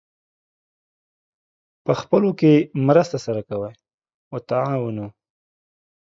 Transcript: پخپلو کې مرسته سره کوئ : وتعاونوا